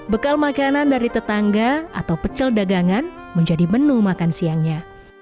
bekal makanan dari tetangga atau pecel dagangan menjadi menu makan siangnya